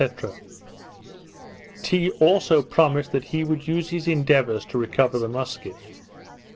Tee also promised that he would use his endeavours to recover the musket.